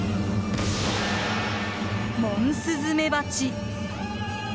モンスズメバチ。